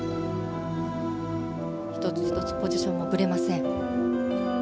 １つ１つポジションもぶれません。